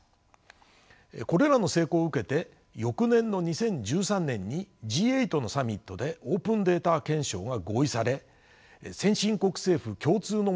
これらの成功を受けて翌年の２０１３年にＧ８のサミットでオープンデータ憲章が合意され先進国政府共通のものとなりました。